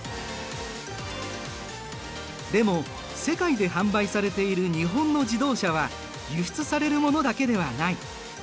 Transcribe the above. でも世界で販売されている日本の自動車は輸出されるものだけではない。